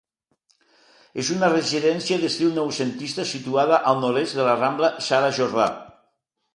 És una residència d'estil noucentista situada al Nord-est de la Rambla Sara Jordà.